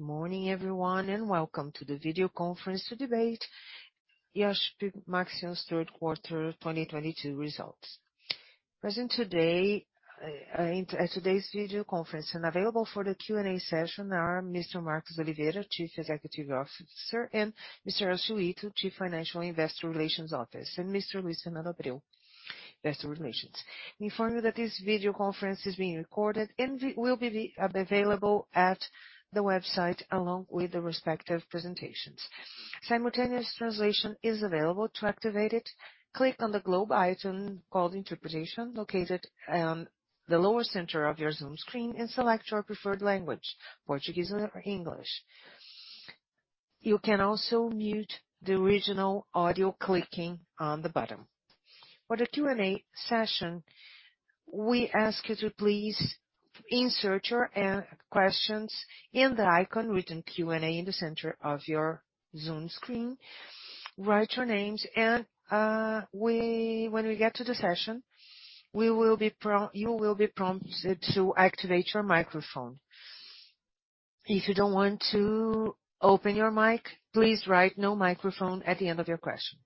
Good morning everyone, and welcome to the video conference to debate Iochpe-Maxion's third quarter 2022 results. Present today, in today's video conference and available for the Q&A session are Mr. Marcos Oliveira, Chief Executive Officer, and Mr. Renato Salum, Chief Financial and Investor Relations Officer, and Mr. Luis Serrato, Investor Relations. Inform you that this video conference is being recorded and will be available at the website along with the respective presentations. Simultaneous translation is available. To activate it, click on the globe icon called Interpretation located on the lower center of your Zoom screen and select your preferred language, Portuguese or English. You can also mute the original audio clicking on the bottom. For the Q&A session, we ask you to please insert your questions in the icon written Q&A in the center of your Zoom screen. Write your names and when we get to the session, you will be prompted to activate your microphone. If you don't want to open your mic, please write, "No microphone," at the end of your question.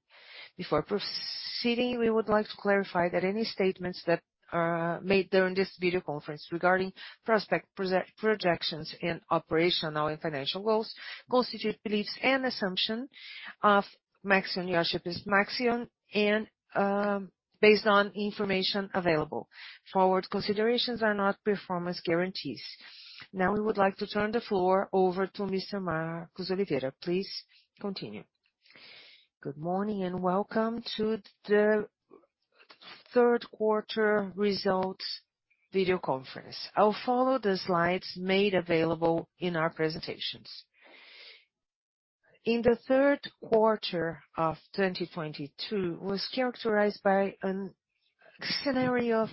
Before proceeding, we would like to clarify that any statements that are made during this video conference regarding projections and operational and financial goals constitute beliefs and assumption of Iochpe-Maxion and based on information available. Forward considerations are not performance guarantees. Now we would like to turn the floor over to Mr. Marcos Oliveira. Please continue. Good morning, and welcome to the third quarter results video conference. I'll follow the slides made available in our presentations. In the third quarter of 2022 was characterized by a scenario of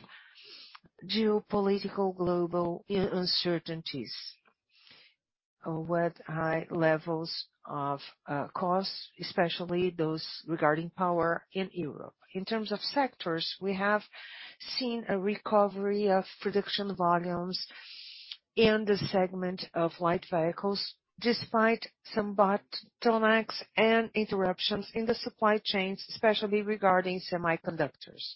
global geopolitical uncertainties with high levels of costs, especially those regarding power in Europe. In terms of sectors, we have seen a recovery of production volumes in the segment of light vehicles, despite some bottlenecks and interruptions in the supply chains, especially regarding semiconductors.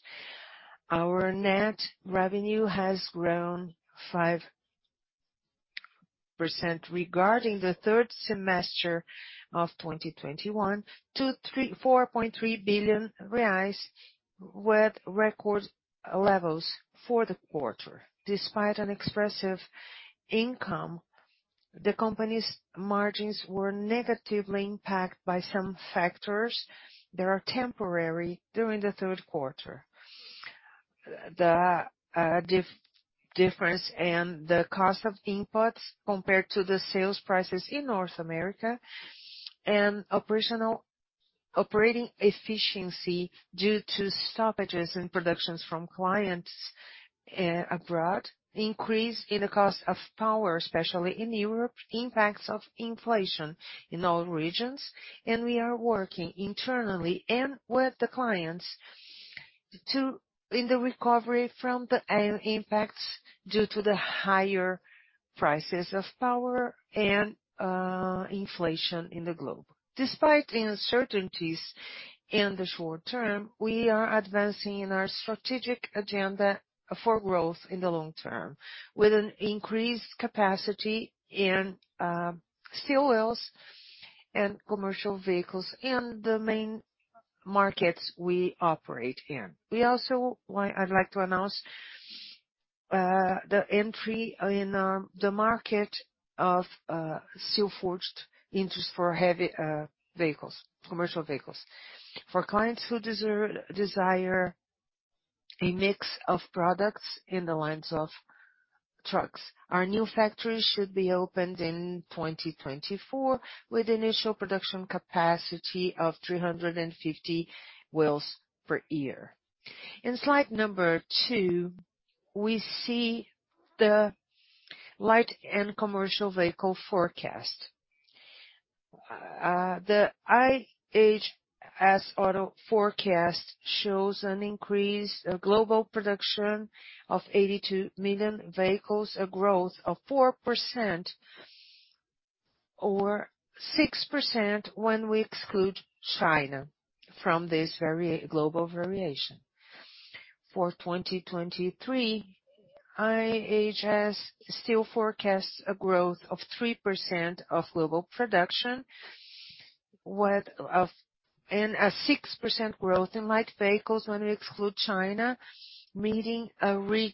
Our net revenue has grown 5% from the third quarter of 2021 to 4.3 billion reais, with record levels for the quarter. Despite an expressive income, the company's margins were negatively impacted by some factors that are temporary during the third quarter. The difference in the cost of inputs compared to the sales prices in North America and operating efficiency due to stoppages in production from clients abroad, increase in the cost of power, especially in Europe, impacts of inflation in all regions. We are working internally and with the clients in the recovery from the impacts due to the higher prices of power and inflation in the globe. Despite the uncertainties in the short term, we are advancing in our strategic agenda for growth in the long term, with an increased capacity in steel wheels and commercial vehicles in the main markets we operate in. We also, I'd like to announce the entry in the market of forged steel wheels for heavy commercial vehicles for clients who desire a mix of products in the lines of trucks. Our new factory should be opened in 2024, with initial production capacity of 350 wheels per year. In slide number 2, we see the light and commercial vehicle forecast. The IHS Auto forecast shows an increase in global production of 82 million vehicles, a growth of 4% or 6% when we exclude China from this variation. For 2023, IHS still forecasts a growth of 3% of global production, with and a 6% growth in light vehicles when we exclude China, meeting a record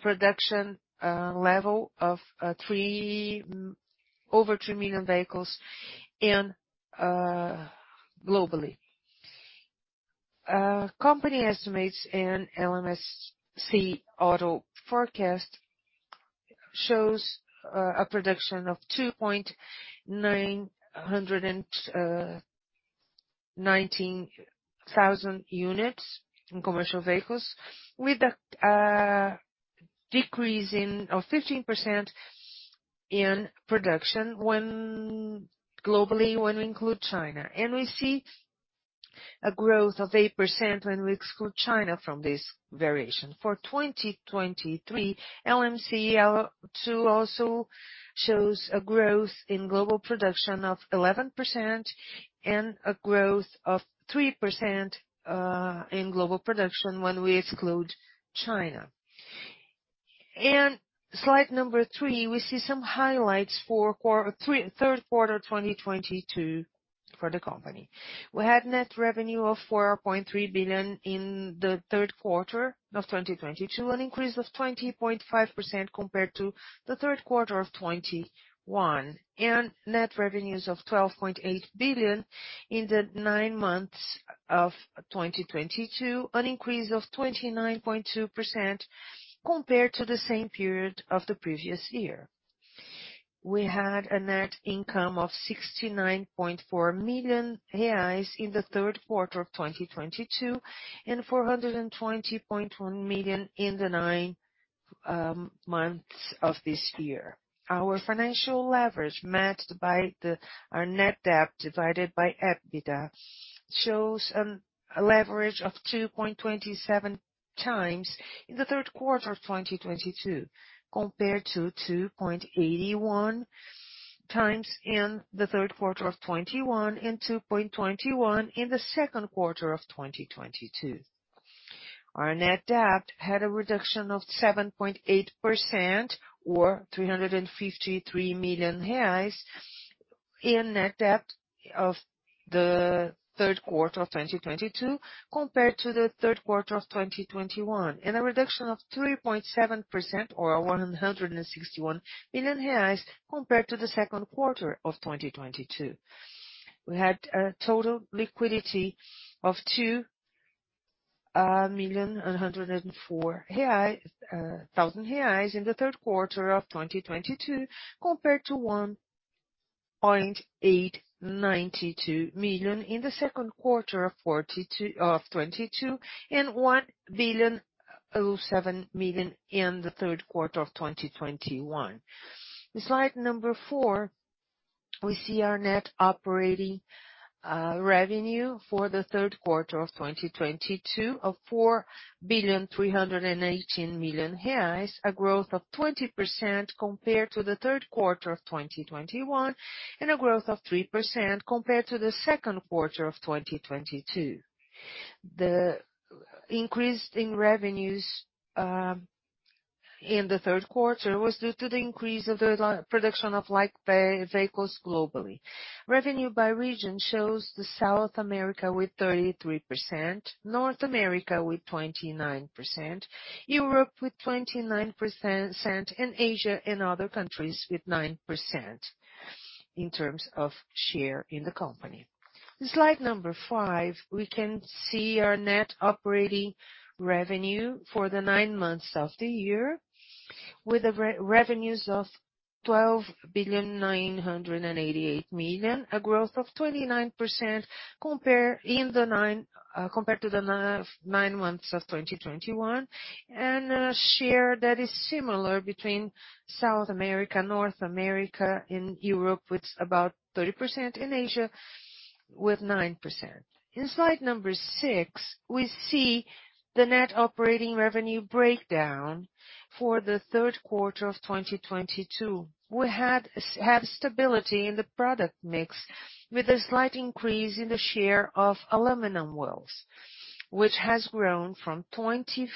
production level of over 93 million vehicles globally. Company estimates and LMC Automotive forecast shows a production of 23.919 million units in commercial vehicles with a decrease of 15% in production globally when we include China. We see a growth of 8% when we exclude China from this variation. For 2023, LMC2 also shows a growth in global production of 11% and a growth of 3% in global production when we exclude China. Slide 3, we see some highlights for third quarter of 2022 for the company. We had net revenue of 4.3 billion in the third quarter of 2022, an increase of 20.5% compared to the third quarter of 2021. Net revenues of 12.8 billion in the nine months of 2022, an increase of 29.2% compared to the same period of the previous year. We had a net income of 69.4 million reais in the third quarter of 2022, and 420.1 million in the nine months of this year. Our financial leverage, our net debt divided by EBITDA, shows a leverage of 2.27x in the third quarter of 2022, compared to 2.81x in the third quarter of 2021, and 2.21x in the second quarter of 2022. Our net debt had a reduction of 7.8% or 353 million reais in net debt of the third quarter of 2022 compared to the third quarter of 2021. A reduction of 3.7% or 161 million reais compared to the second quarter of 2022. We had a total liquidity of 2.104 million in the third quarter of 2022 compared to 1.892 million in the second quarter of 2022 and BRL 1.007 billion in the third quarter of 2021. In slide number 4, we see our net operating revenue for the third quarter of 2022 of 4.318 billion reais. A growth of 20% compared to the third quarter of 2021, and a growth of 3% compared to the second quarter of 2022. The increase in revenues in the third quarter was due to the increase of the production of light vehicles globally. Revenue by region shows South America with 33%, North America with 29%, Europe with 29%, and Asia and other countries with 9% in terms of share in the company. In slide number 5, we can see our net operating revenue for the nine months of the year with the revenues of 12.988 billion. A growth of 29% compared to the nine months of 2021, and a share that is similar between South America, North America, and Europe, with about 30%, and Asia with 9%. In slide number 6, we see the net operating revenue breakdown for the third quarter of 2022. We have stability in the product mix, with a slight increase in the share of aluminum wheels, which has grown from 25%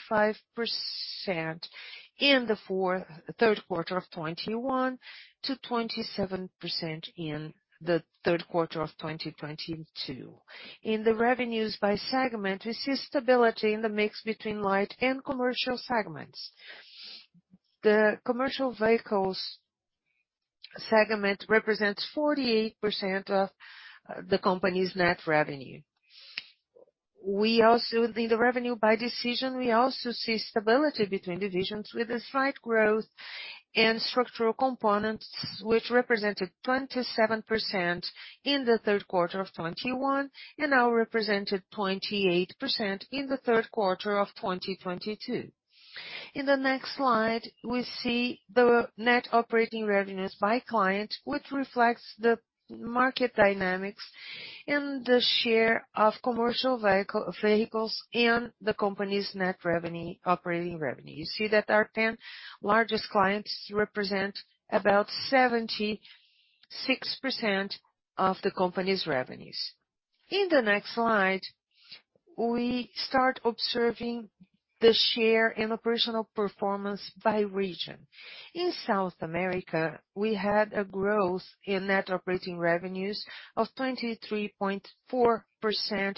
in the third quarter of 2021 to 27% in the third quarter of 2022. In the revenues by segment, we see stability in the mix between light and commercial segments. The commercial vehicles segment represents 48% of the company's net revenue. In the revenue by division, we also see stability between divisions with a slight growth in structural components, which represented 27% in the third quarter of 2021 and now represented 28% in the third quarter of 2022. In the next slide, we see the net operating revenues by client, which reflects the market dynamics and the share of commercial vehicles in the company's net operating revenue. You see that our 10 largest clients represent about 76% of the company's revenues. In the next slide, we start observing the share and operational performance by region. In South America, we had a growth in net operating revenues of 23.4%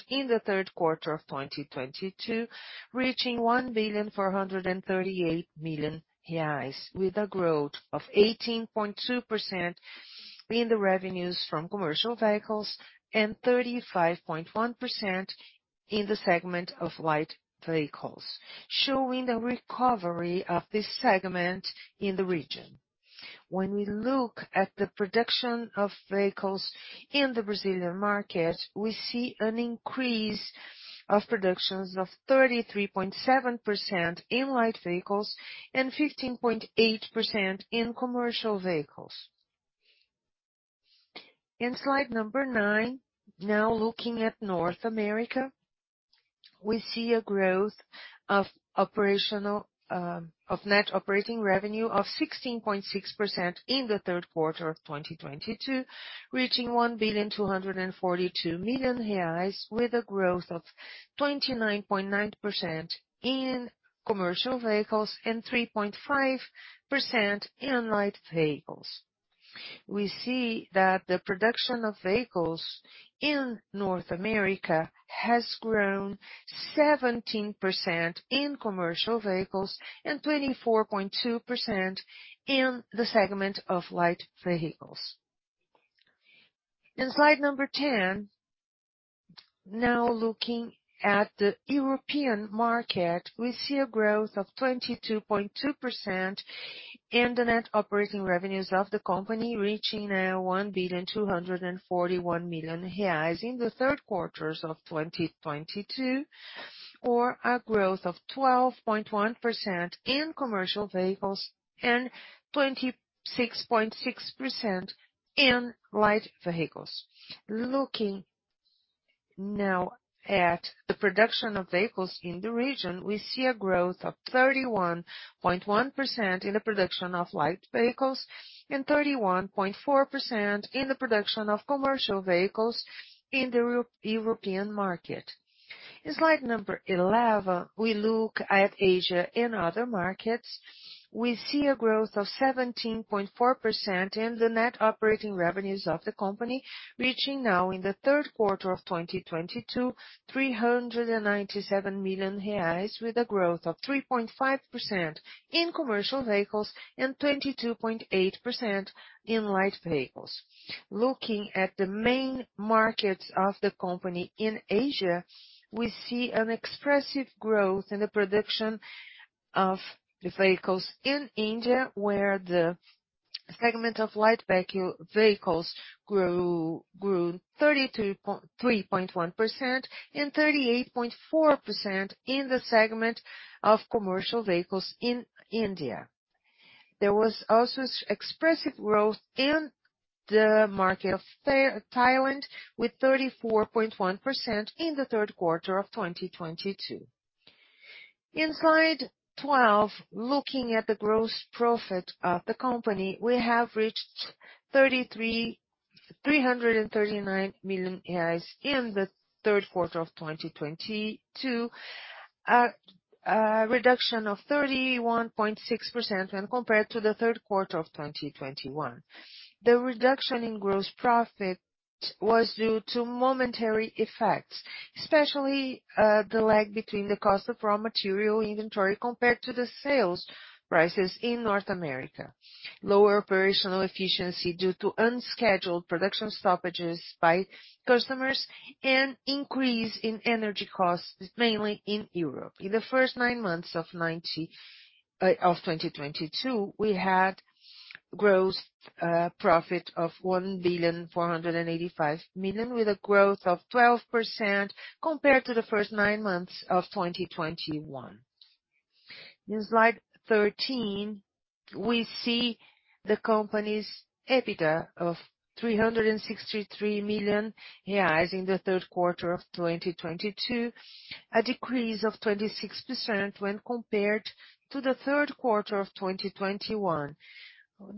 in the third quarter of 2022, reaching 1,438 million reais, with a growth of 18.2% in the revenues from commercial vehicles and 35.1% in the segment of light vehicles, showing the recovery of this segment in the region. When we look at the production of vehicles in the Brazilian market, we see an increase of productions of 33.7% in light vehicles and 15.8% in commercial vehicles. In Slide 9, now looking at North America, we see a growth of net operating revenue of 16.6% in the third quarter of 2022, reaching 1.242 billion, with a growth of 29.9% in commercial vehicles and 3.5% in light vehicles. We see that the production of vehicles in North America has grown 17% in commercial vehicles and 24.2% in the segment of light vehicles. In slide number 10, now looking at the European market, we see a growth of 22.2% in the net operating revenues of the company, reaching 1,241 million reais in the third quarter of 2022, or a growth of 12.1% in commercial vehicles and 26.6% in light vehicles. Looking now at the production of vehicles in the region, we see a growth of 31.1% in the production of light vehicles and 31.4% in the production of commercial vehicles in the European market. In slide number 11, we look at Asia and other markets. We see a growth of 17.4% in the net operating revenues of the company, reaching now in the third quarter of 2022, 397 million reais, with a growth of 3.5% in commercial vehicles and 22.8% in light vehicles. Looking at the main markets of the company in Asia, we see an expressive growth in the production of the vehicles in India, where the segment of light vehicles grew 33.3% and 38.4% in the segment of commercial vehicles in India. There was also expressive growth in the market of Thailand, with 34.1% in the third quarter of 2022. In Slide 12, looking at the gross profit of the company, we have reached 333.339 million reais in the third quarter of 2022. A reduction of 31.6% when compared to the third quarter of 2021. The reduction in gross profit was due to momentary effects, especially the lag between the cost of raw material inventory compared to the sales prices in North America, lower operational efficiency due to unscheduled production stoppages by customers, and increase in energy costs, mainly in Europe. In the first nine months of 2022, we had gross profit of 1.485 billion, with a growth of 12% compared to the first nine months of 2021. In Slide 13, we see the company's EBITDA of 363 million reais in the third quarter of 2022, a decrease of 26% when compared to the third quarter of 2021,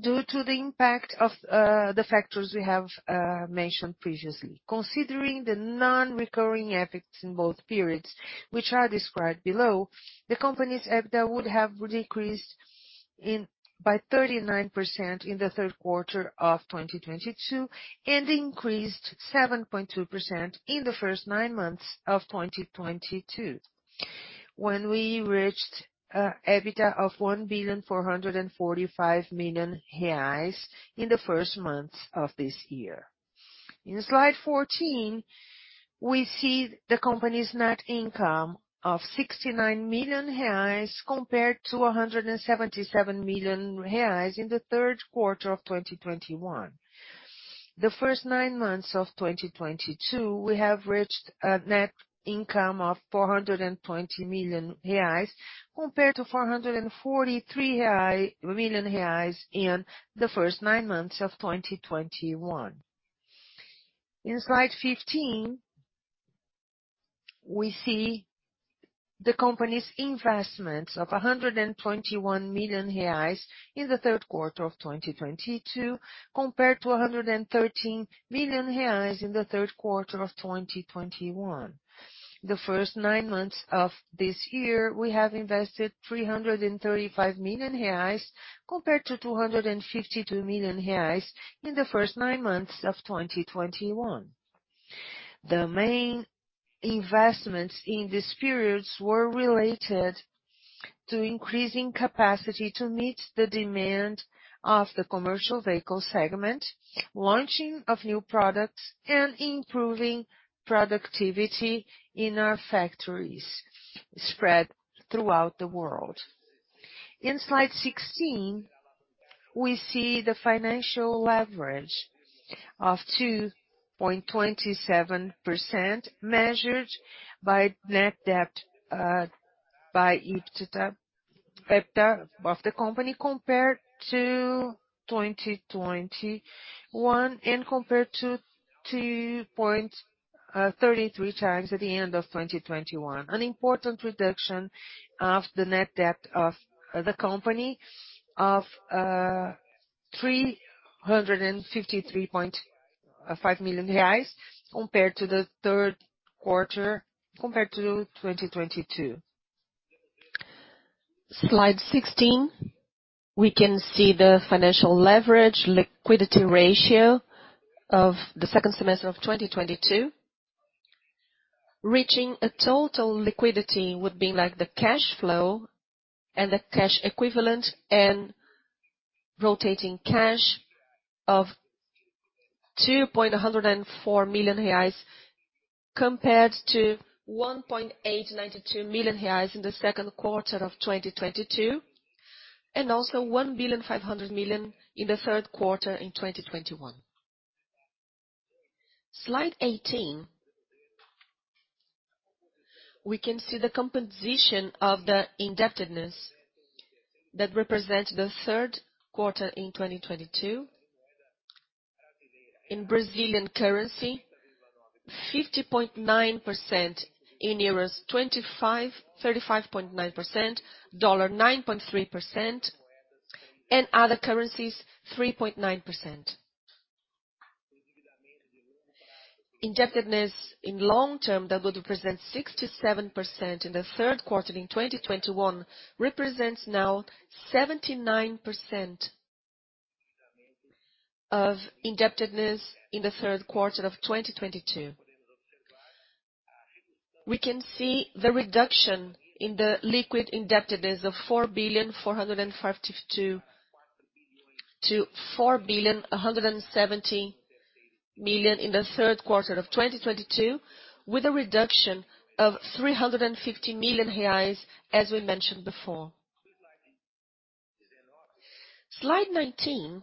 due to the impact of the factors we have mentioned previously. Considering the non-recurring effects in both periods, which are described below, the company's EBITDA would have decreased by 39% in the third quarter of 2022 and increased 7.2% in the first nine months of 2022, when we reached EBITDA of 1.445 billion reais in the first months of this year. In Slide 14, we see the company's net income of 69 million reais compared to 177 million reais in the third quarter of 2021. The first nine months of 2022, we have reached a net income of 420 million reais compared to 443 million reais in the first nine months of 2021. In Slide 15, we see the company's investments of 121 million reais in the third quarter of 2022 compared to 113 million reais in the third quarter of 2021. The first nine months of this year, we have invested 335 million reais compared to 252 million reais in the first nine months of 2021. The main investments in these periods were related to increasing capacity to meet the demand of the commercial vehicle segment, launching of new products, and improving productivity in our factories spread throughout the world. In Slide 16, we see the financial leverage of 2.27% measured by net debt, by EBITDA. EBITDA of the company compared to 2021 and compared to 2.33x at the end of 2021. An important reduction of the net debt of the company of BRL 353.5 million compared to 2022. Slide 16. We can see the financial leverage liquidity ratio of the second semester of 2022. Reaching a total liquidity would be like the cash flow and the cash equivalent and rotating cash of 210.4 million reais compared to 189.2 million reais in the second quarter of 2022, and also 1.5 billion in the third quarter in 2021. Slide 18. We can see the composition of the indebtedness that represent the third quarter in 2022. In Brazilian currency, 50.9%. In euros, 35.9%. Dollar, 9.3%. Other currencies, 3.9%. Long-term indebtedness that would represent 67% in the third quarter in 2021 represents now 79% of indebtedness in the third quarter of 2022. We can see the reduction in the liquid indebtedness of 4.452 billion-4.170 billion in the third quarter of 2022, with a reduction of 350 million reais, as we mentioned before. Slide 19.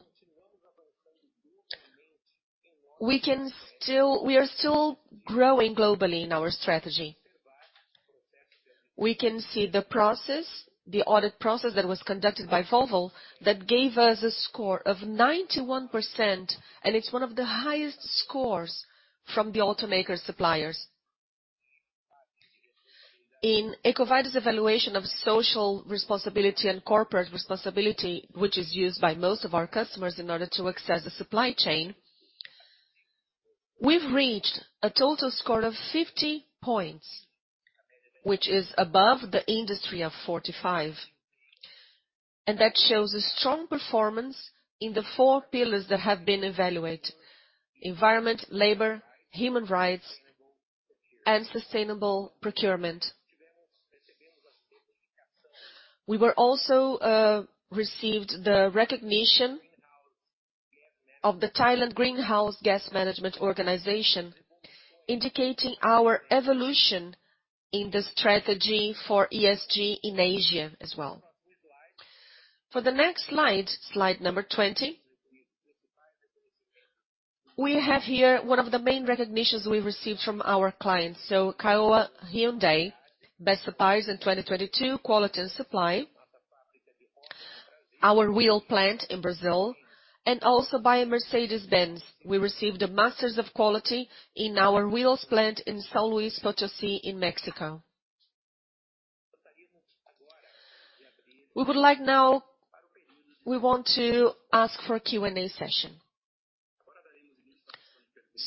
We are still growing globally in our strategy. We can see the process, the audit process that was conducted by Volvo that gave us a score of 91%, and it's one of the highest scores from the automaker suppliers. In EcoVadis evaluation of social responsibility and corporate responsibility, which is used by most of our customers in order to access the supply chain, we've reached a total score of 50 points, which is above the industry of 45. That shows a strong performance in the four pillars that have been evaluated, environment, labor, human rights and sustainable procurement. We also received the recognition of the Thailand Greenhouse Gas Management Organization, indicating our evolution in the strategy for ESG in Asia as well. For the next slide number 20, we have here one of the main recognitions we received from our clients. CAOA Hyundai, Best Suppliers in 2022, quality and supply. Our wheel plant in Brazil and also by Mercedes-Benz. We received the Masters of Quality in our wheels plant in Saltillo, Coahuila in Mexico. We want to ask for a Q&A session.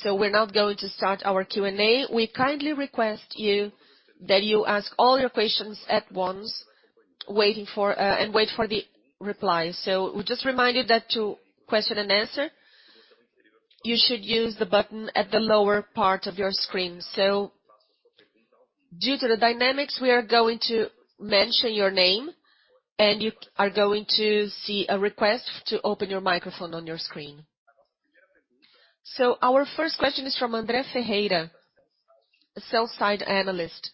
We're now going to start our Q&A. We kindly request that you ask all your questions at once and wait for the replies. We just remind you that for the Q&A, you should use the button at the lower part of your screen. Due to the dynamics, we are going to mention your name, and you are going to see a request to open your microphone on your screen. Our first question is from André Ferreira, a sell-side analyst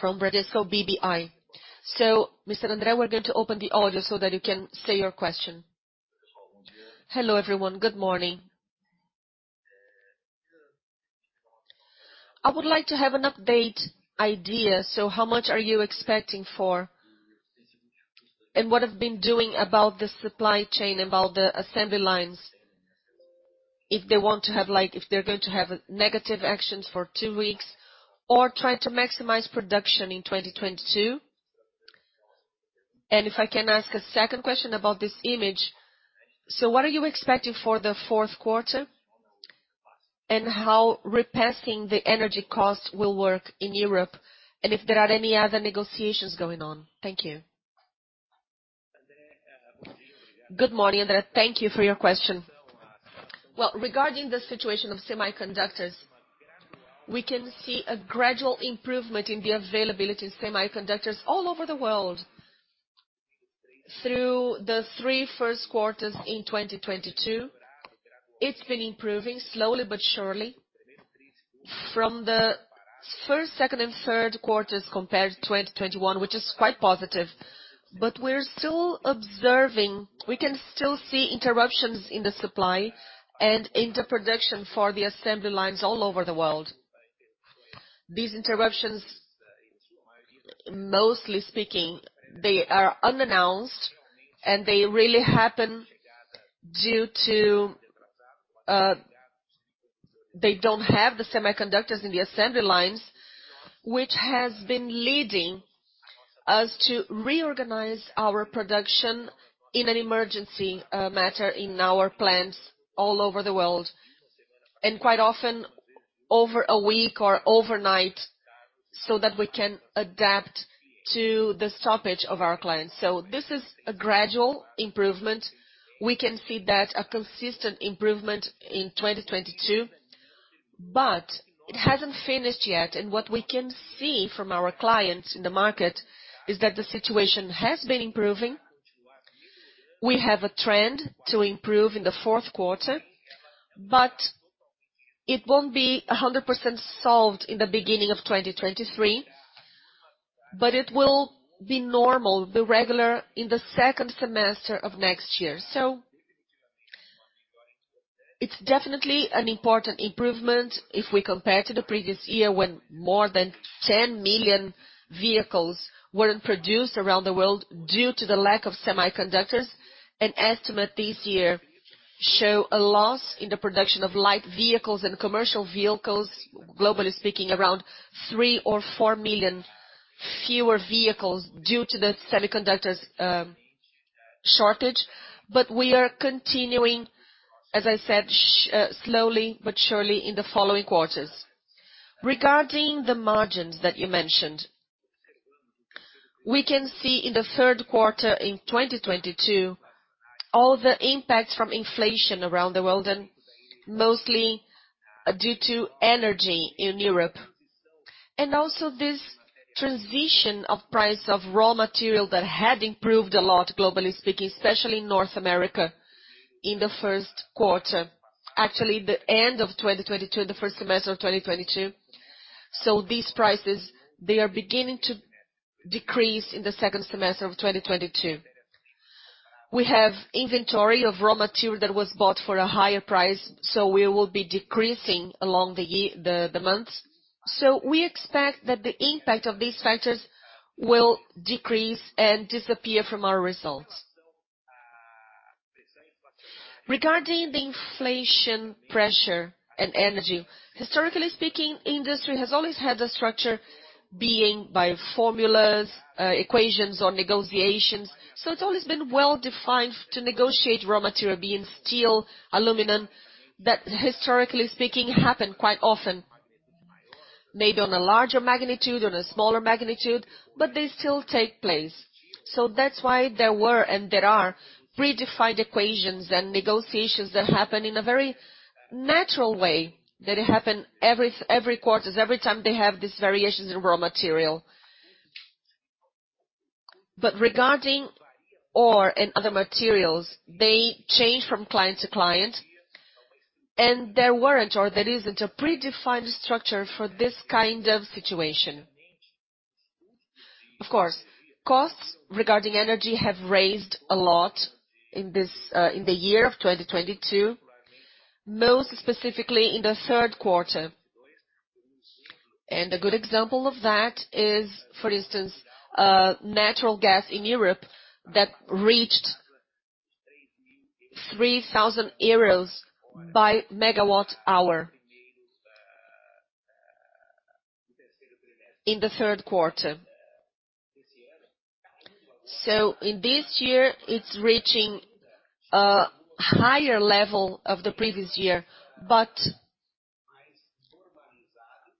from Bradesco BBI. Mr. André, we're going to open the audio so that you can say your question. Hello, everyone. Good morning. I would like to have an update idea. How much are you expecting for, and what have been doing about the supply chain, about the assembly lines, if they want to have like if they're going to have negative actions for two weeks or try to maximize production in 2022? If I can ask a second question about this image. What are you expecting for the fourth quarter, and how repassing the energy cost will work in Europe, and if there are any other negotiations going on. Thank you. Good morning, Andre. Thank you for your question. Well, regarding the situation of semiconductors, we can see a gradual improvement in the availability of semiconductors all over the world. Through the three first quarters in 2022, it's been improving slowly but surely. From the first, second and third quarters compared to 2021, which is quite positive. We can still see interruptions in the supply and in the production for the assembly lines all over the world. These interruptions, mostly speaking, they are unannounced and they really happen due to, they don't have the semiconductors in the assembly lines, which has been leading us to reorganize our production in an emergency, matter in our plants all over the world. Quite often over a week or overnight, so that we can adapt to the stoppage of our clients. This is a gradual improvement. We can see that a consistent improvement in 2022, but it hasn't finished yet. What we can see from our clients in the market is that the situation has been improving. We have a trend to improve in the fourth quarter, but it won't be 100% solved in the beginning of 2023. It will be normal, the regular in the second semester of next year. It's definitely an important improvement if we compare to the previous year when more than 10 million vehicles weren't produced around the world due to the lack of semiconductors. An estimate this year show a loss in the production of light vehicles and commercial vehicles, globally speaking, around 3 million or 4 million fewer vehicles due to the semiconductors shortage. We are continuing, as I said, slowly but surely in the following quarters. Regarding the margins that you mentioned, we can see in the third quarter in 2022 all the impacts from inflation around the world, and mostly due to energy in Europe. This transition of price of raw material that had improved a lot, globally speaking, especially in North America in the first quarter. Actually, the end of 2022, the first semester of 2022. These prices are beginning to decrease in the second semester of 2022. We have inventory of raw material that was bought for a higher price, so we will be decreasing along the year, the months. We expect that the impact of these factors will decrease and disappear from our results. Regarding the inflation pressure and energy, historically speaking, industry has always had a structure being by formulas, equations or negotiations. It's always been well-defined to negotiate raw material, being steel, aluminum, that historically speaking, happen quite often. Maybe on a larger magnitude, on a smaller magnitude, but they still take place. That's why there were and there are predefined equations and negotiations that happen in a very natural way, that happen every quarters, every time they have these variations in raw material. Regarding ore and other materials, they change from client to client, and there weren't or there isn't a predefined structure for this kind of situation. Of course, costs regarding energy have raised a lot in this, in the year of 2022, most specifically in the third quarter. A good example of that is, for instance, natural gas in Europe that reached EUR 3,000 per MWh in the third quarter. In this year, it's reaching a higher level of the previous year.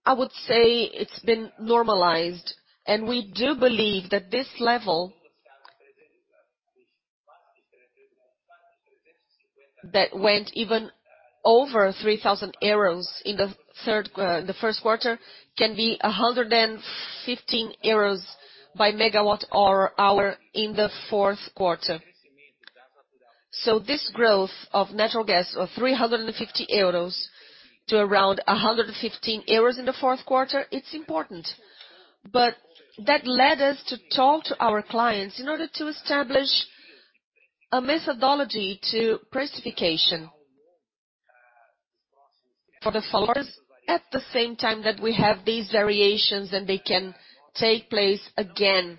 I would say it's been normalized, and we do believe that this level that went even over 3,000 euros in the first quarter can be 115 euros per MWh in the fourth quarter. This growth of natural gas of 350 euros to around 115 euros in the fourth quarter is important. That led us to talk to our clients in order to establish a methodology to price fixation for the forwarders at the same time that we have these variations, and they can take place again,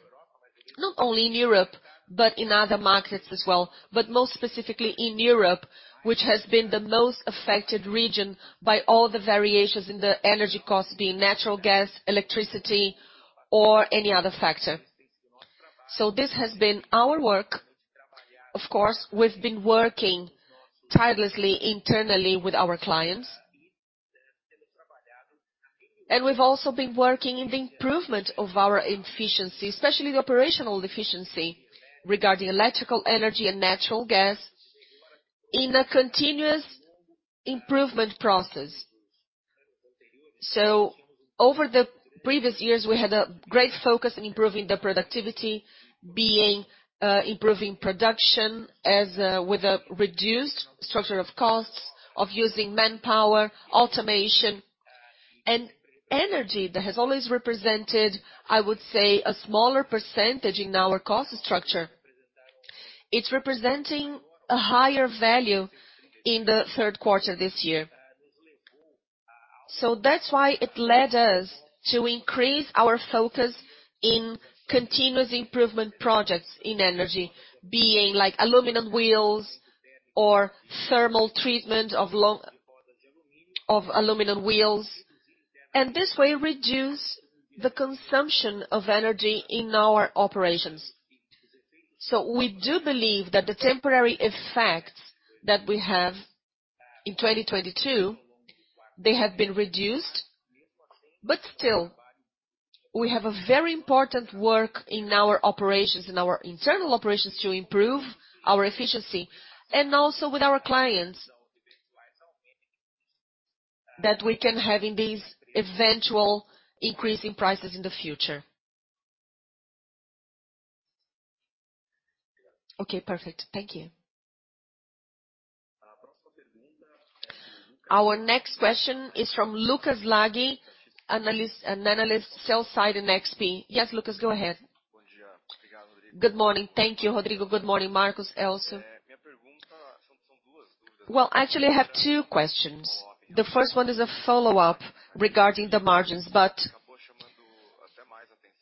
not only in Europe, but in other markets as well. Most specifically in Europe, which has been the most affected region by all the variations in the energy costs, being natural gas, electricity or any other factor. This has been our work. Of course, we've been working tirelessly internally with our clients. We've also been working in the improvement of our efficiency, especially the operational efficiency regarding electrical energy and natural gas in a continuous improvement process. Over the previous years, we had a great focus in improving the productivity, improving production with a reduced structure of costs, of using manpower, automation. Energy that has always represented, I would say, a smaller percentage in our cost structure. It's representing a higher value in the third quarter this year. That's why it led us to increase our focus in continuous improvement projects in energy, being like aluminum wheels or thermal treatment of aluminum wheels. This way, reduce the consumption of energy in our operations. We do believe that the temporary effects that we have in 2022, they have been reduced, but still, we have a very important work in our operations and our internal operations to improve our efficiency, and also with our clients. That we can have in these eventual increase in prices in the future. Okay, perfect. Thank you. Our next question is from Lucas Laghi, a sell-side analyst at XP. Yes, Lucas, go ahead. Good morning. Thank you, Rodrigo. Good morning, Marcos, Elcio. Well, actually, I have two questions. The first one is a follow-up regarding the margins, but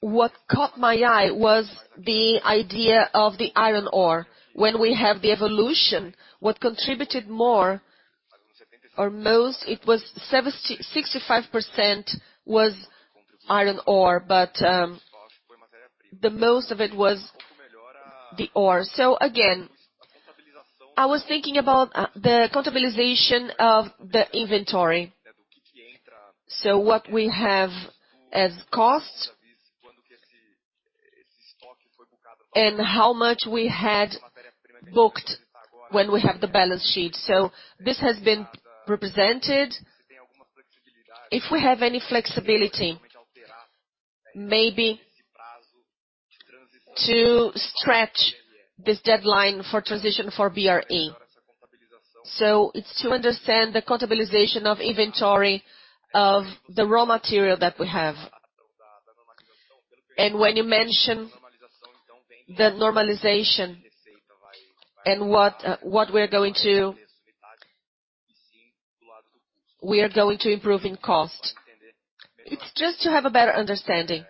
what caught my eye was the idea of the iron ore. When we have the evolution, what contributed more or most, it was 65% was iron ore, but the most of it was the ore. Again, I was thinking about the capitalization of the inventory. What we have as cost. How much we had booked when we have the balance sheet. This has been represented. If we have any flexibility, maybe to stretch this deadline for transition for BRE. It's to understand the capitalization of inventory of the raw material that we have. When you mention the normalization and what we're going to improve in cost. It's just to have a better understanding.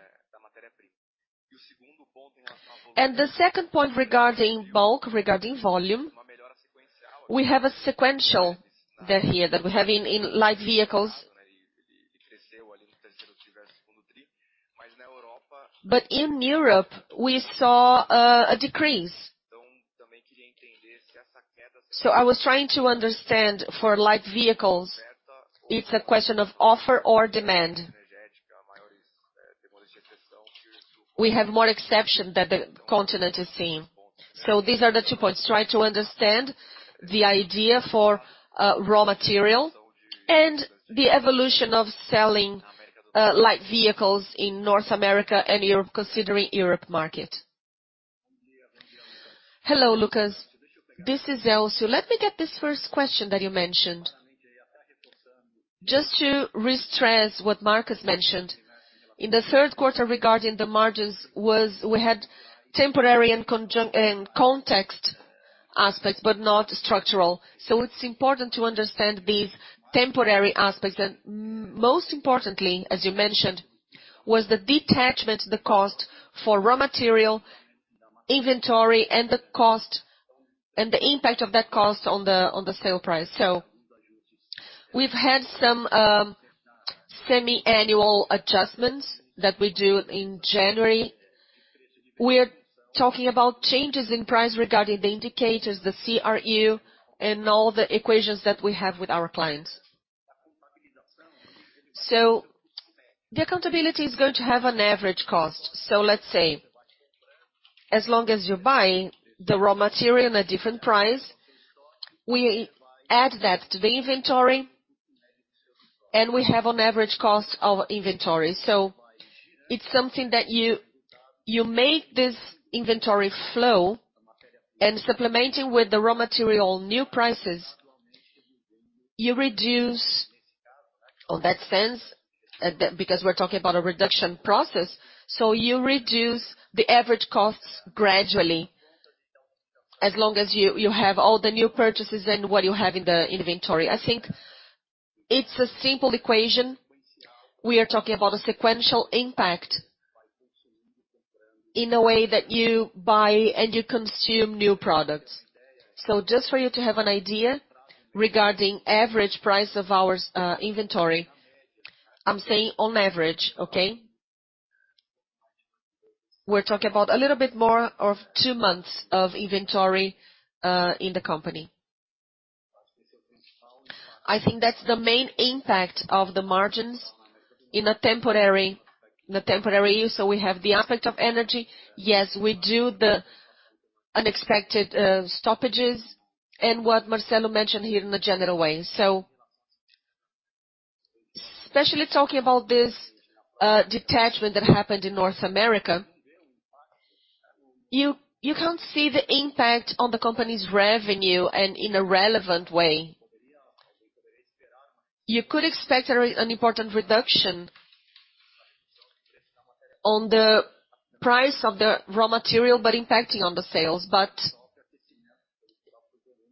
The second point regarding book, regarding volume, we have a sequential that we have in light vehicles. In Europe, we saw a decrease. I was trying to understand for light vehicles, it's a question of supply or demand. We have more exception that the continent is seeing. These are the two points. Try to understand the idea for raw material and the evolution of selling light vehicles in North America and Europe, considering Europe market. Hello, Lucas. This is Elcio. Let me get this first question that you mentioned. Just to re-stress what Marcos mentioned. In the third quarter, regarding the margins, we had temporary and context aspects, but not structural. It's important to understand these temporary aspects. Most importantly, as you mentioned, was the detachment, the cost for raw material, inventory, and the impact of that cost on the sale price. We've had some semi-annual adjustments that we do in January. We're talking about changes in price regarding the indicators, the CRU, and all the equations that we have with our clients. The accountability is going to have an average cost. Let's say, as long as you're buying the raw material in a different price, we add that to the inventory, and we have an average cost of inventory. It's something that you make this inventory flow and supplementing with the raw material new prices, you reduce all that spend, because we're talking about a reduction process, so you reduce the average costs gradually as long as you have all the new purchases and what you have in the inventory. I think it's a simple equation. We are talking about a sequential impact in the way that you buy and you consume new products. Just for you to have an idea regarding average price of our inventory, I'm saying on average, okay? We're talking about a little bit more of two months of inventory in the company. I think that's the main impact of the margins in a temporary use. We have the effect of energy. Yes, we do the unexpected stoppages and what Marcos mentioned here in a general way. Especially talking about this detachment that happened in North America, you can't see the impact on the company's revenue and in a relevant way. You could expect an important reduction on the price of the raw material, but impacting on the sales.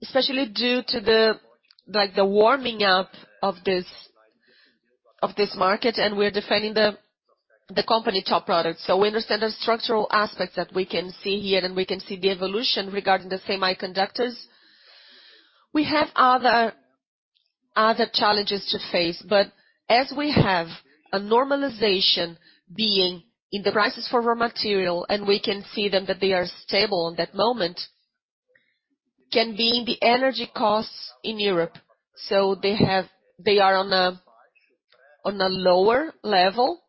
Especially due to the, like the warming up of this market, and we're defending the company top products. We understand the structural aspects that we can see here, and we can see the evolution regarding the semiconductors. We have other challenges to face, but as we have a normalization being in the prices for raw material, and we can see them that they are stable in that moment, can be in the energy costs in Europe. They are on a lower level,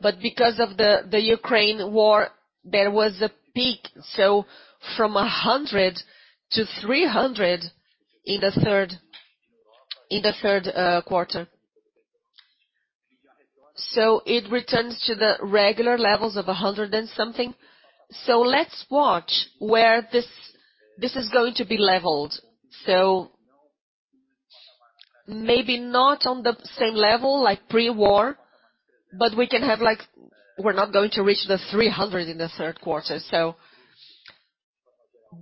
but because of the Ukraine war, there was a peak, so from 100-300 in the third quarter. It returns to the regular levels of 100 and something. Let's watch where this is going to be leveled. Maybe not on the same level like pre-war, but we can have like. We're not going to reach the 300 in the third quarter.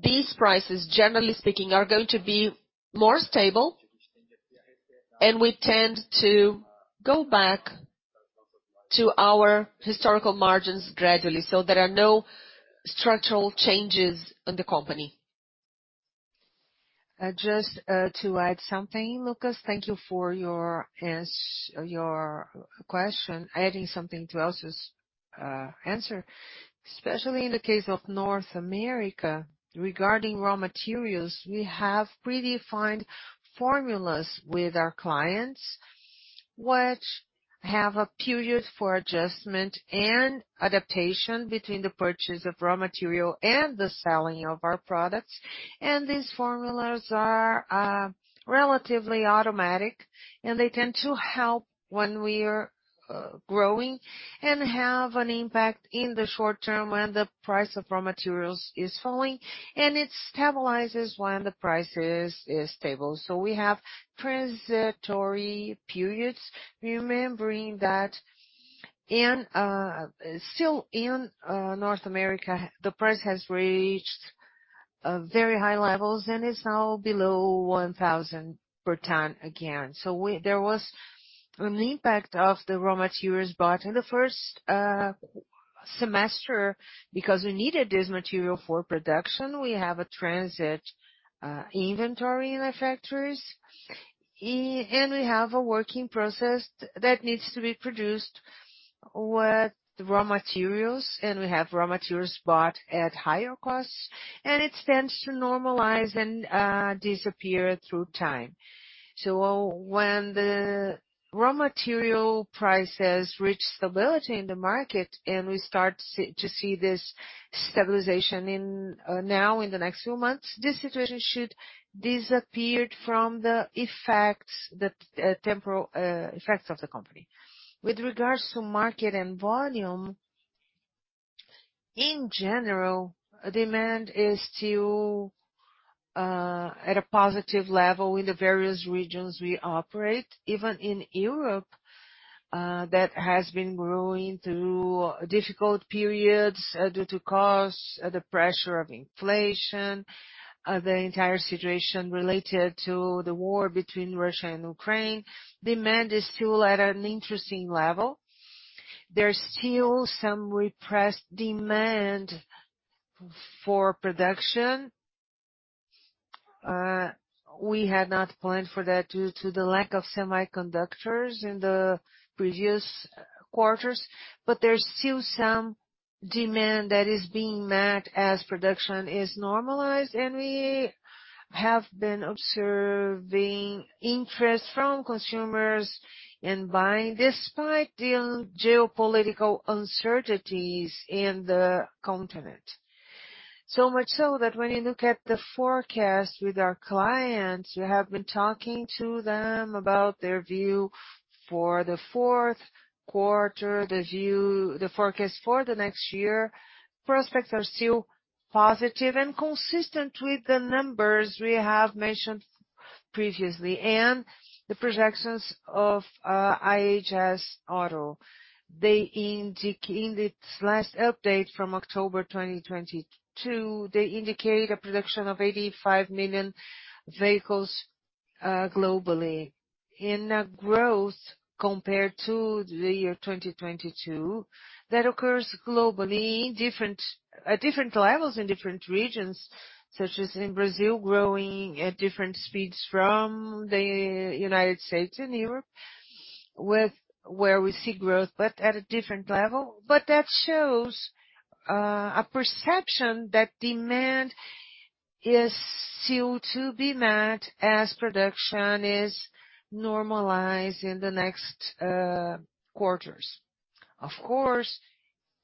These prices, generally speaking, are going to be more stable, and we tend to go back to our historical margins gradually. There are no structural changes in the company. Just to add something, Lucas, thank you for your question. Adding something to Elcio's answer. Especially in the case of North America, regarding raw materials, we have predefined formulas with our clients, which have a period for adjustment and adaptation between the purchase of raw material and the selling of our products. These formulas are relatively automatic, and they tend to help when we're growing and have an impact in the short term when the price of raw materials is falling, and it stabilizes when the price is stable. We have transitory periods, remembering that. Still in North America, the price has reached very high levels and is now below 1,000 per ton again. There was an impact of the raw materials bought in the first semester because we needed this material for production. We have a transit inventory in our factories. We have a working process that needs to be produced with raw materials, and we have raw materials bought at higher costs, and it tends to normalize and disappear through time. When the raw material prices reach stability in the market and we start to see this stabilization now in the next few months, this situation should disappeared from the effects, the temporal effects of the company. With regards to market and volume, in general, demand is still at a positive level in the various regions we operate. Even in Europe, that has been growing through difficult periods, due to costs, the pressure of inflation, the entire situation related to the war between Russia and Ukraine. Demand is still at an interesting level. There's still some repressed demand for production. We had not planned for that due to the lack of semiconductors in the previous quarters, but there's still some demand that is being met as production is normalized, and we have been observing interest from consumers in buying despite the geopolitical uncertainties in the continent. So much so that when you look at the forecast with our clients, we have been talking to them about their view for the fourth quarter, the forecast for the next year. Prospects are still positive and consistent with the numbers we have mentioned previously. The projections of S&P Global Mobility. In its last update from October 2022, they indicate a production of 85 million vehicles globally. In its growth compared to the year 2022, that occurs globally at different levels in different regions, such as in Brazil, growing at different speeds from the United States and Europe, where we see growth, but at a different level. That shows a perception that demand is still to be met as production is normalized in the next quarters. Of course,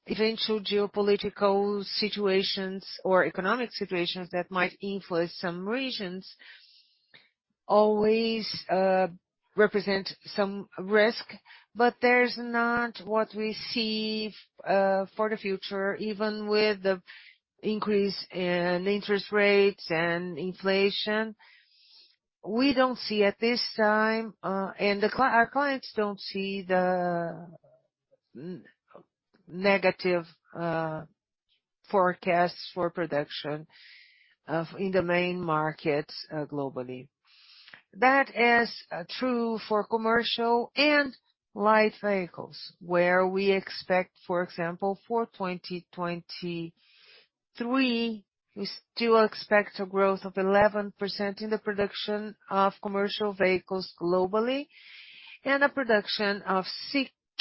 eventual geopolitical situations or economic situations that might influence some regions always represent some risk, but that's not what we see for the future, even with the increase in interest rates and inflation. We don't see at this time, and our clients don't see the negative forecasts for production in the main markets globally. That is true for commercial and light vehicles, where we expect, for example, for 2023, we still expect a growth of 11% in the production of commercial vehicles globally, and an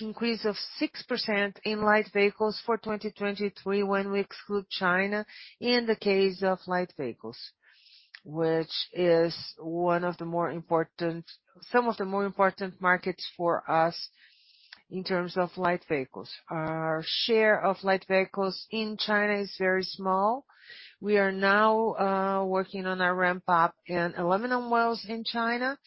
increase of 6% in light vehicles for 2023 when we exclude China in the case of light vehicles, which is some of the more important markets for us in terms of light vehicles. Our share of light vehicles in China is very small. We are now working on our ramp-up in aluminum wheels in China.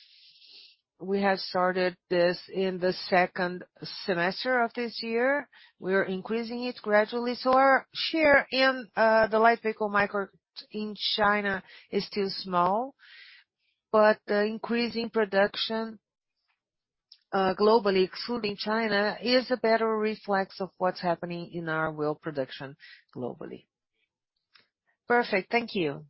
We have started this in the second semester of this year. We are increasing it gradually. Our share in the light vehicle market in China is still small, but the increase in production globally, excluding China, is a better reflection of what's happening in our wheel production globally. Perfect. Thank you.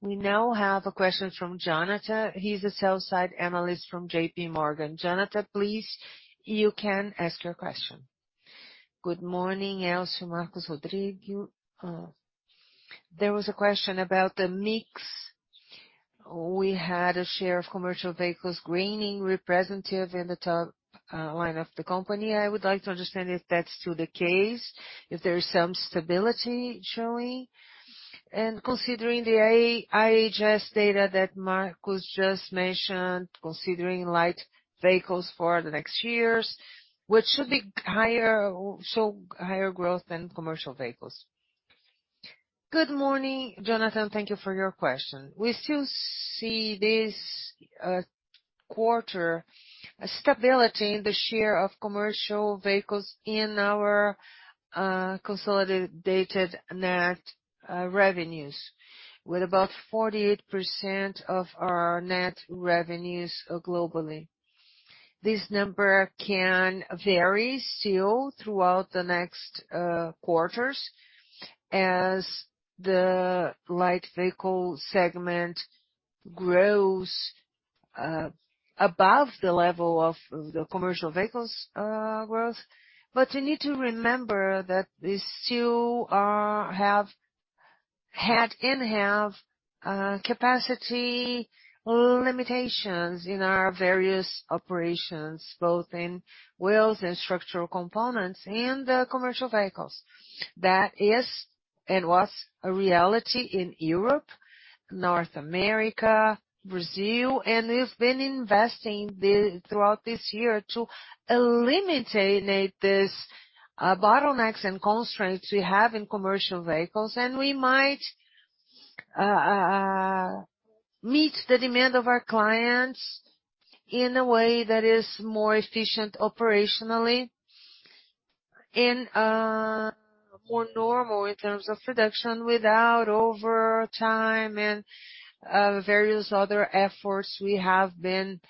We now have a question from Jhonatan. He's a sell-side analyst from JPMorgan. Jhonatan, please, you can ask your question. Good morning, Elcio, Marcos, Rodrigo. There was a question about the mix. We had a share of commercial vehicles remaining representative in the top line of the company. I would like to understand if that's still the case, if there is some stability showing. Considering the IHS data that Marcos just mentioned, considering light vehicles for the next years, which should show higher growth than commercial vehicles. Good morning, Jhonatan. Thank you for your question. We still see this quarter a stability in the share of commercial vehicles in our consolidated net revenues, with about 48% of our net revenues globally. This number can vary still throughout the next quarters as the light vehicle segment grows above the level of the commercial vehicles growth. you need to remember that we still have had and have capacity limitations in our various operations, both in wheels and structural components and commercial vehicles. That is and was a reality in Europe, North America, Brazil, and we've been investing throughout this year to eliminate these bottlenecks and constraints we have in commercial vehicles. we might meet the demand of our clients in a way that is more efficient operationally and more normal in terms of production without overtime and various other efforts we have been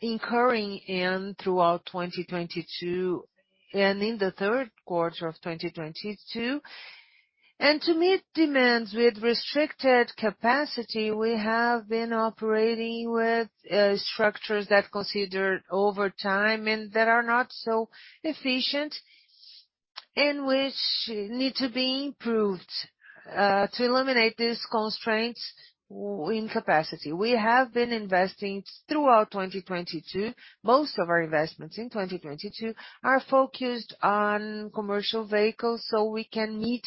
incurring in throughout 2022 and in the third quarter of 2022. to meet demands with restricted capacity, we have been operating with structures that consider overtime and that are not so efficient, and which need to be improved to eliminate these constraints in capacity. We have been investing throughout 2022. Most of our investments in 2022 are focused on commercial vehicles, so we can meet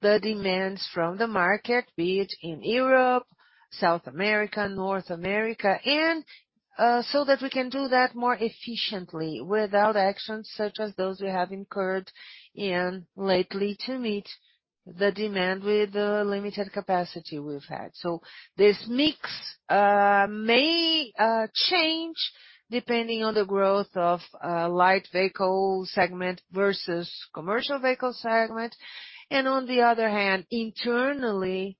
the demands from the market, be it in Europe, South America, North America, and so that we can do that more efficiently without actions such as those we have incurred in lately to meet the demand with the limited capacity we've had. This mix may change depending on the growth of light vehicle segment versus commercial vehicle segment. On the other hand, internally,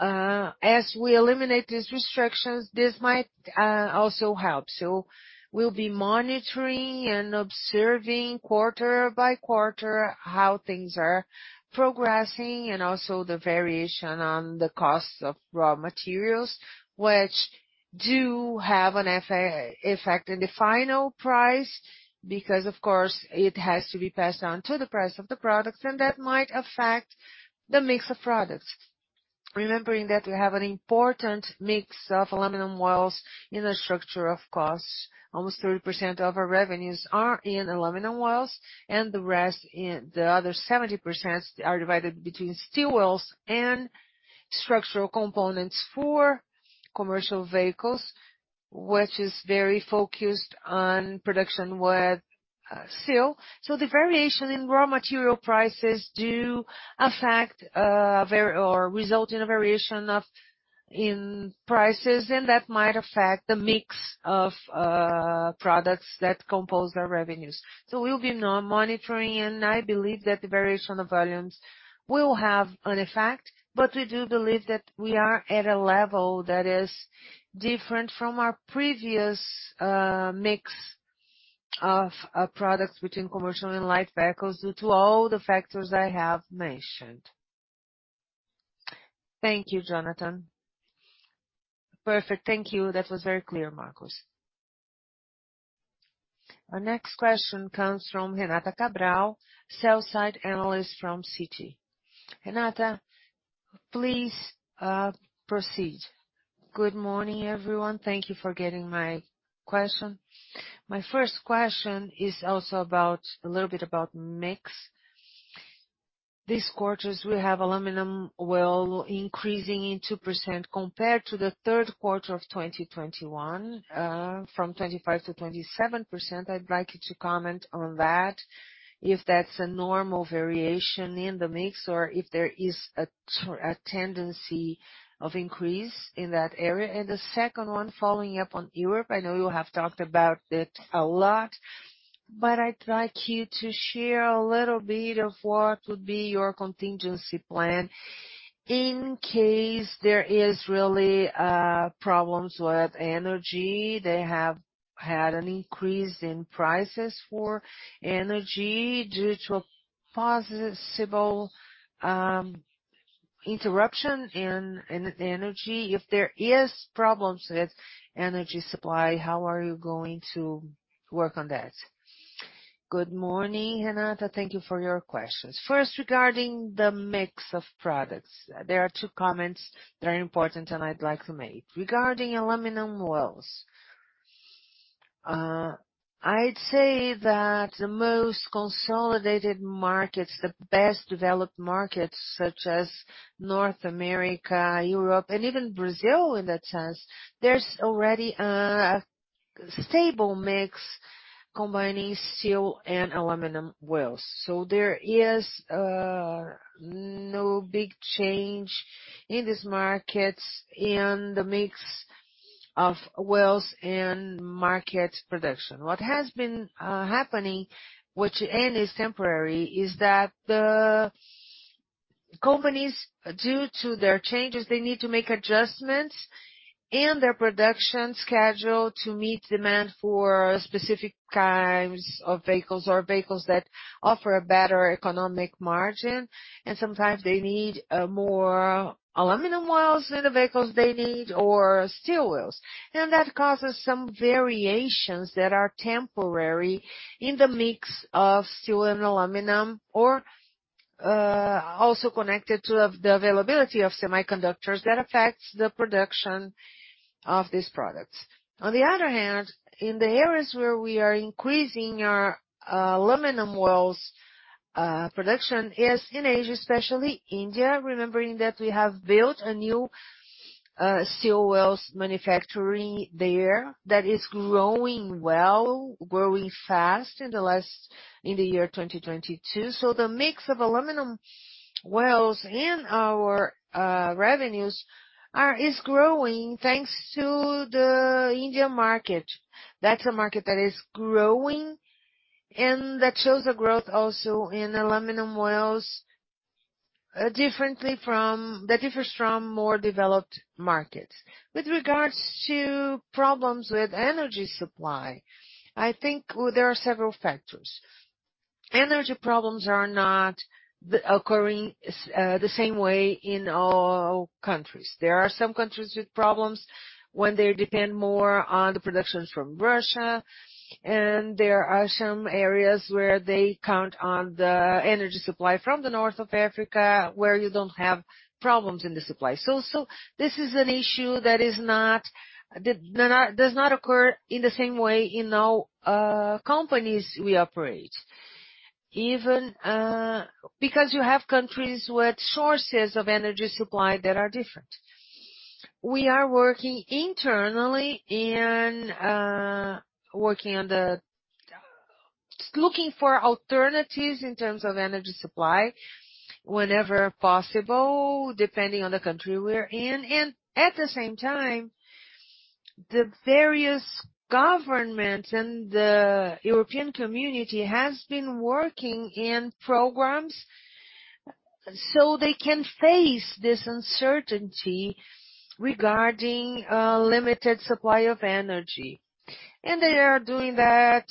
as we eliminate these restrictions, this might also help. We'll be monitoring and observing quarter-by-quarter how things are progressing and also the variation in the costs of raw materials, which do have an effect on the final price because of course it has to be passed on to the price of the products, and that might affect the mix of products. Remembering that we have an important mix of aluminum wheels in the cost structure. Almost 30% of our revenues are in aluminum wheels, and the rest, the other 70% are divided between steel wheels and structural components for commercial vehicles, which is very focused on production with steel. The variation in raw material prices do affect or result in a variation in prices, and that might affect the mix of products that compose our revenues. We'll be monitoring, and I believe that the variation of volumes will have an effect, but we do believe that we are at a level that is different from our previous mix of products between commercial and light vehicles due to all the factors I have mentioned. Thank you, Jhonatan. Perfect. Thank you. That was very clear, Marcos. Our next question comes from Renata Cabral, sell-side analyst from Citi. Renata, please, proceed. Good morning, everyone. Thank you for taking my question. My first question is also a little bit about mix. This quarter we have aluminum wheels increasing by 2% compared to the third quarter of 2021, from 25%-27%. I'd like you to comment on that, if that's a normal variation in the mix or if there is a tendency to increase in that area. The second one, following up on Europe. I know you have talked about it a lot, but I'd like you to share a little bit of what would be your contingency plan in case there is really problems with energy. They have had an increase in prices for energy due to a possible interruption in energy. If there is problems with energy supply, how are you going to work on that? Good morning, Renata. Thank you for your questions. First, regarding the mix of products. There are two comments that are important and I'd like to make. Regarding aluminum wheels. I'd say that the most consolidated markets, the best developed markets such as North America, Europe, and even Brazil in that sense, there's already a stable mix combining steel and aluminum wheels. There is no big change in these markets and the mix of wheels and market production. What has been happening, which is temporary, is that the companies, due to their changes, they need to make adjustments in their production schedule to meet demand for specific kinds of vehicles or vehicles that offer a better economic margin. Sometimes they need more aluminum wheels in the vehicles they need or steel wheels. That causes some variations that are temporary in the mix of steel and aluminum, or also connected to the availability of semiconductors that affects the production of these products. On the other hand, in the areas where we are increasing our aluminum wheels production is in Asia, especially India. Remembering that we have built a new steel wheels manufacturing there that is growing well, growing fast in the year 2022. The mix of aluminum wheels in our revenues is growing thanks to the Indian market. That's a market that is growing and that shows a growth also in aluminum wheels that differs from more developed markets. With regards to problems with energy supply, I think there are several factors. Energy problems are not occurring the same way in all countries. There are some countries with problems when they depend more on the production from Russia, and there are some areas where they count on the energy supply from the North of Africa, where you don't have problems in the supply. This is an issue that does not occur in the same way in all companies we operate. Even because you have countries with sources of energy supply that are different. We are working internally and working on looking for alternatives in terms of energy supply whenever possible, depending on the country we're in. At the same time, the various governments and the European community has been working in programs so they can face this uncertainty regarding limited supply of energy. They are doing that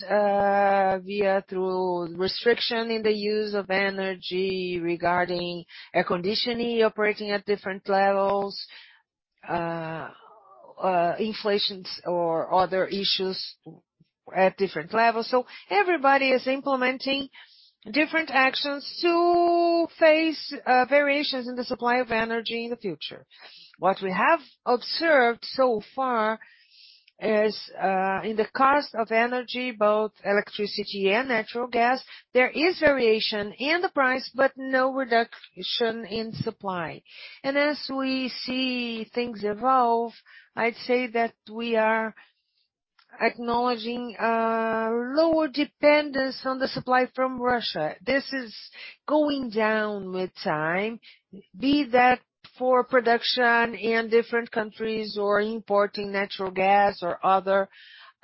through restrictions in the use of energy, regarding air conditioning operating at different levels, limitations or other issues at different levels. Everybody is implementing different actions to face variations in the supply of energy in the future. What we have observed so far is in the cost of energy, both electricity and natural gas, there is variation in the price, but no reduction in supply. As we see things evolve, I'd say that we are Acknowledging lower dependence on the supply from Russia. This is going down with time. Be that for production in different countries or importing natural gas or other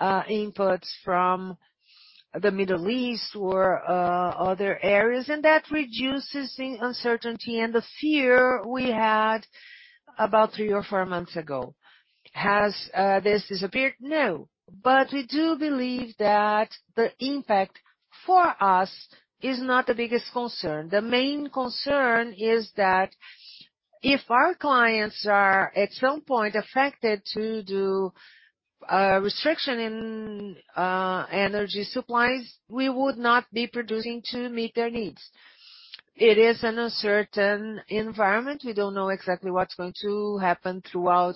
inputs from the Middle East or other areas. That reduces the uncertainty and the fear we had about three or four months ago. Has this disappeared? No. We do believe that the impact for us is not the biggest concern. The main concern is that if our clients are at some point affected to do restriction in energy supplies, we would not be producing to meet their needs. It is an uncertain environment. We don't know exactly what's going to happen throughout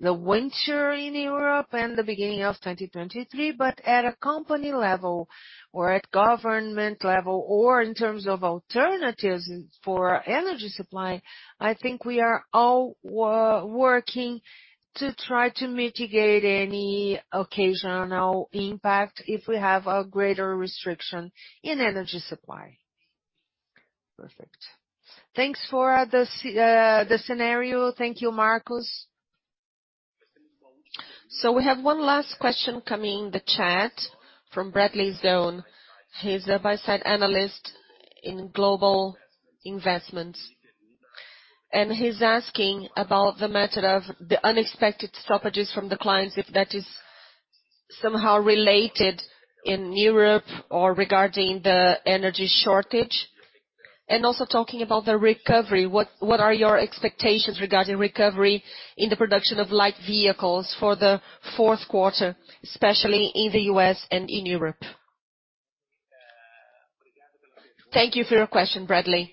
the winter in Europe and the beginning of 2023. At a company level or at government level, or in terms of alternatives for energy supply, I think we are all working to try to mitigate any occasional impact if we have a greater restriction in energy supply. Perfect. Thanks for the scenario. Thank you, Marcos. We have one last question coming in the chat from Bradley Saiontz. He's a buy-side analyst in Global Investment, and he's asking about the matter of the unexpected stoppages from the clients, if that is somehow related in Europe or regarding the energy shortage. Talking about the recovery, what are your expectations regarding recovery in the production of light vehicles for the fourth quarter, especially in the U.S. and in Europe? Thank you for your question, Bradley.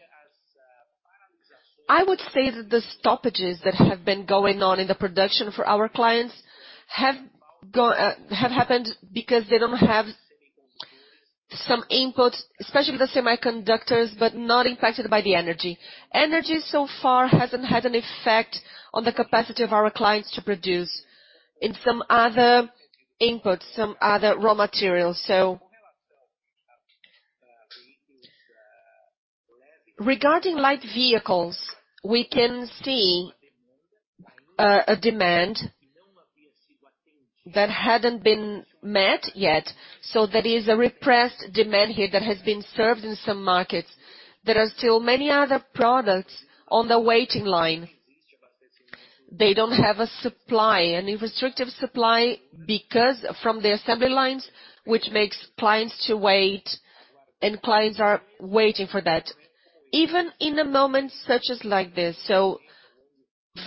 I would say that the stoppages that have been going on in the production for our clients have happened because they don't have some input, especially the semiconductors, but not impacted by the energy. Energy so far hasn't had an effect on the capacity of our clients to produce in some other inputs, some other raw materials. Regarding light vehicles, we can see a demand that hadn't been met yet. There is a repressed demand here that has been served in some markets. There are still many other products on the waiting line. They don't have a supply, a restrictive supply because from the assembly lines, which makes clients to wait, and clients are waiting for that, even in a moment such as like this.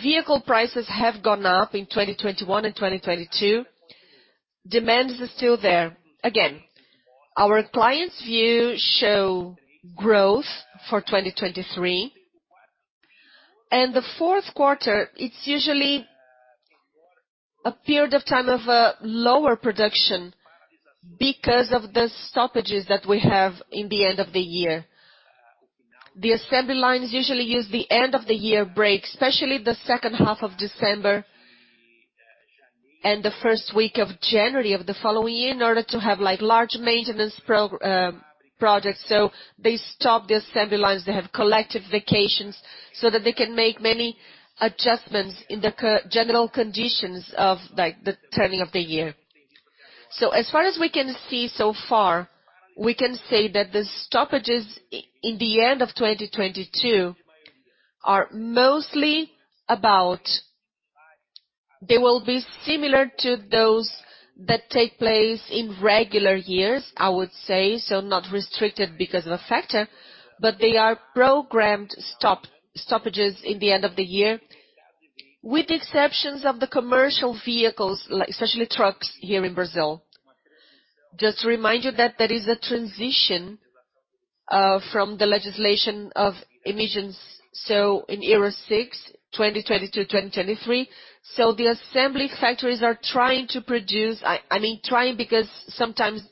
Vehicle prices have gone up in 2021 and 2022. Demand is still there. Again, our clients' views show growth for 2023. The fourth quarter, it's usually a period of time of lower production because of the stoppages that we have in the end of the year. The assembly lines usually use the end of the year break, especially the second half of December and the first week of January of the following year, in order to have, like, large maintenance projects. They stop the assembly lines. They have collective vacations so that they can make many adjustments in the general conditions of, like, the turning of the year. As far as we can see so far, we can say that the stoppages in the end of 2022 are mostly about. They will be similar to those that take place in regular years, I would say. Not restricted because of a factor, but they are programmed stoppages in the end of the year, with the exceptions of the commercial vehicles, like especially trucks here in Brazil. Just to remind you that there is a transition from the legislation of emissions, so in Euro 6, 2022, 2023. The assembly factories are trying to produce. I mean trying because sometimes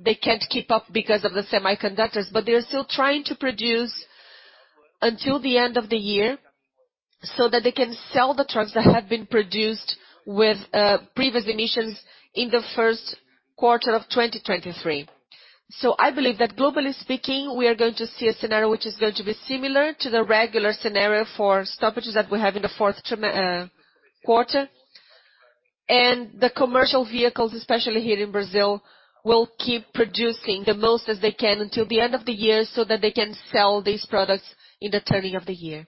they can't keep up because of the semiconductors. But they're still trying to produce until the end of the year, so that they can sell the trucks that have been produced with previous emissions in the first quarter of 2023. I believe that globally speaking, we are going to see a scenario which is going to be similar to the regular scenario for stoppages that we have in the fourth quarter. The commercial vehicles, especially here in Brazil, will keep producing the most as they can until the end of the year, so that they can sell these products in the turning of the year.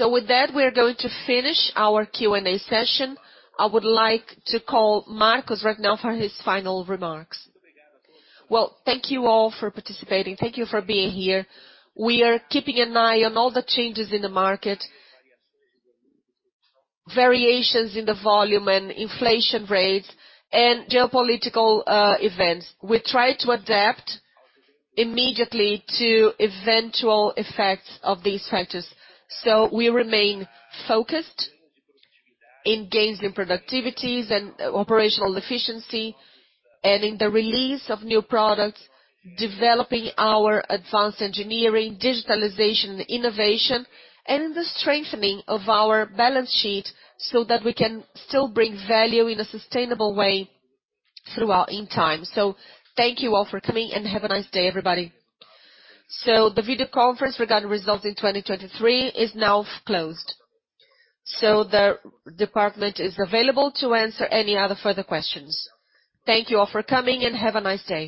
With that, we are going to finish our Q&A session. I would like to call Marcos right now for his final remarks. Well, thank you all for participating. Thank you for being here. We are keeping an eye on all the changes in the market, variations in the volume and inflation rates and geopolitical events. We try to adapt immediately to eventual effects of these factors. We remain focused in gains in productivities and operational efficiency and in the release of new products, developing our advanced engineering, digitalization and innovation, and in the strengthening of our balance sheet so that we can still bring value in a sustainable way throughout in time. Thank you all for coming, and have a nice day, everybody. The video conference regarding results in 2023 is now closed. The department is available to answer any other further questions. Thank you all for coming, and have a nice day.